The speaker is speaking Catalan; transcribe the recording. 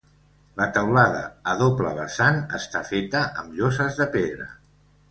La teulada, a doble vessant, està feta amb lloses de pedra.